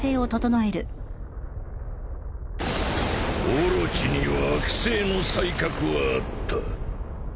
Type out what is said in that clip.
オロチには悪政の才覚はあった。